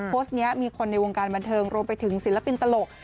โพสต์นี้มีคนในวงการบันเทิงรวมไปถึงศิลปินตลก